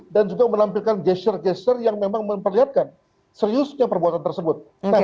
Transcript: dan juga menampilkan geser geser yang memang memperlihatkan seriusnya perbuatan tersebut